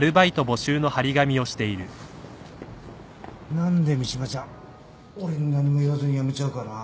何で三島ちゃん俺に何も言わずに辞めちゃうかな。